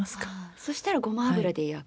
そしたらごま油で焼く。